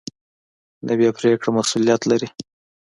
نوې پرېکړه مسؤلیت لري